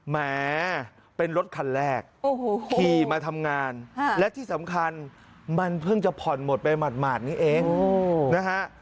แหมเป็นรถคันแรกขี่มาทำงานและที่สำคัญมันเพิ่งจะผ่อนหมดไปหมาดนี้เองนะฮะ